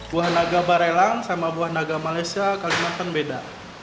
buah naga barelang sama buah naga malaysia kalimantan beda